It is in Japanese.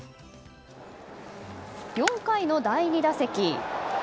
４回の第２打席。